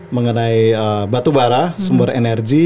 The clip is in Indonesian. mengenai batubara sumber energi